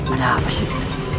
ada apa sih